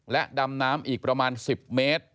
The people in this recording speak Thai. และดำน้ำอีกประมาณ๑๐เมตร